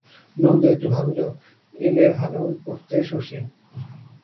নন্দ একটু ভাবিল, এলে ভালো করতে শশী।